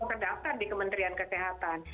terdaftar di kementerian kesehatan